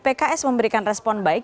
pks memberikan respon baik